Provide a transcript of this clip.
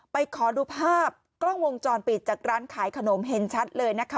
ขอดูภาพกล้องวงจรปิดจากร้านขายขนมเห็นชัดเลยนะคะ